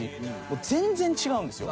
全然違うんですよ。